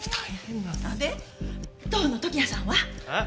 で当の時矢さんは？えっ？